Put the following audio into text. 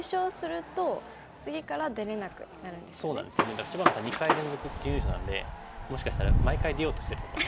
だから芝野さん２回連続準優勝なんでもしかしたら毎回出ようとしてるのかも。